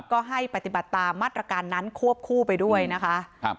ก็ให้ปฏิบัติตามมาตรการนั้นควบคู่ไปด้วยนะคะครับ